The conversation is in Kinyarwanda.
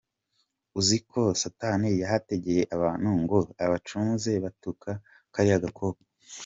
Uzi ko satani yahategeye abantu ngo abacumuze batuka kariya gakobwa.